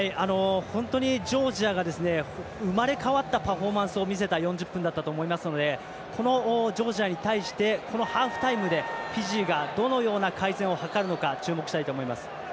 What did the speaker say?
本当にジョージアが生まれ変わったパフォーマンスを見せた４０分だったと思いますのでこのジョージアに対してこのハーフタイムでフィジーがどのような改善を図るのか注目したいと思います。